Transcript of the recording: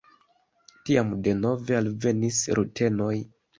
Tiam denove alvenis rutenoj.